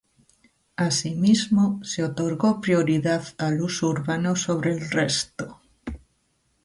Asimismo, se otorgó prioridad al uso urbano sobre el resto.